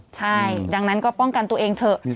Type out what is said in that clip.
ใช่ดังนั้นก็ป้องกันตัวเองเถอะ